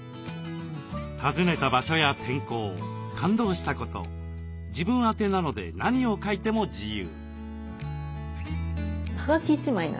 訪ねた場所や天候感動したこと自分宛なので何を書いても自由。